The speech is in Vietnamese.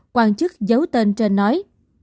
quan chức giấu tên trên nói